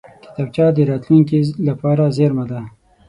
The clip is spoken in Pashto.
کتابچه د راتلونکې لپاره زېرمه ده